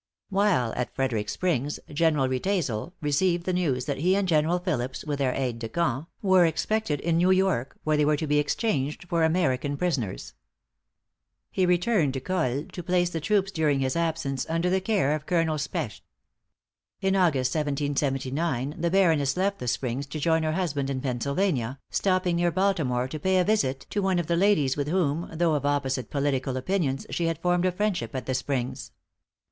While at Frederic Springs, General Riedesel received the news that he and General Phillips, with their aids de camp, were expected in New York, where they were to be exchanged for American prisoners. He returned to Colle, to place the troops during his absence, under the care of Colonel Specht. In August, 1779, the Baroness left the Springs to join her husband in Pennsylvania, stopping near Baltimore to pay a visit to one of the ladies with whom, though of opposite political opinions, she had formed a friendship at the Springs.